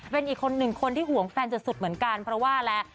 เป็นอีกคนหนึ่งคนที่ห่วงแฟนสุดเหมือนกันเพราะว่าแล้ว